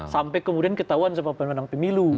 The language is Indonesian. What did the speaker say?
sampai kemudian ketahuan sama pemenang pemilu